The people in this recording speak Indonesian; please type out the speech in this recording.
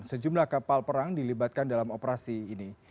sejumlah kapal perang dilibatkan dalam operasi ini